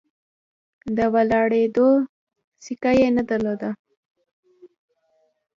د ولاړېدو سېکه یې نه درلوده.